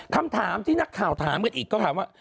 คำถามที่นักข่าวถามกันอีกก็ถามว่า